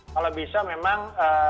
kalau bisa memang